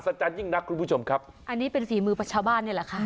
สจานยิ่งนักคุณผู้ชมครับอันนี้เป็นสีมือปรัชฌาบ้านเนี่ยละค่ะ